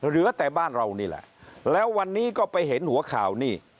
เหลือแต่บ้านเรานี่แหละแล้ววันนี้ก็ไปเห็นหัวข่าวนี่